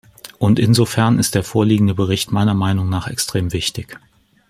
Und insofern ist der vorliegende Bericht meiner Meinung nach extrem wichtig.